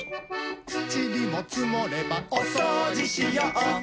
ちりもつもればおそうじしよう！